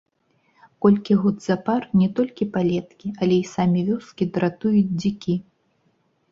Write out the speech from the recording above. Колькі год запар не толькі палеткі, але і самі вёскі дратуюць дзікі.